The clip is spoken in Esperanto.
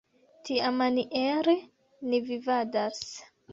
Tiamaniere ni vivadas.